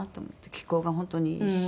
気候が本当にいいし。